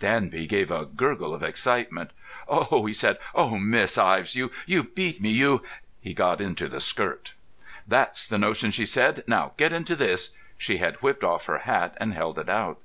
Danby gave a gurgle of excitement. "Oh!" he said. "Oh, Miss Ives, you—you beat me, you——" He got into the skirt. "That's the notion," she said. "Now get into this." She had whipped off her hat and held it out.